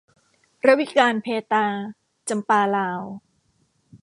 รวิกาญจน์เภตรา - จำปาลาว